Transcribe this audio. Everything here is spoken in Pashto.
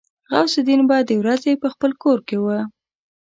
غوث الدين به د ورځې په خپل کور کې و.